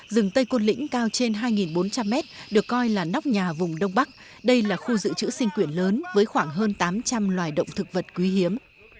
rừng tây côn lĩnh cao trên hai bốn trăm linh m được coi là nóc nhà vùng đông bắc đây là khu giữ chữ sinh quyền lớn với khoảng hơn tám trăm linh loài động thực vật quý hiếm